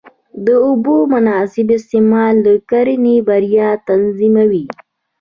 د اوبو مناسب استعمال د کرنې بریا تضمینوي.